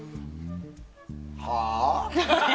はあ？